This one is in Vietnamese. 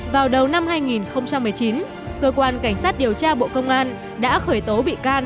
vào đầu năm hai nghìn một mươi chín cơ quan cảnh sát điều tra bộ công an đã khởi tố bị can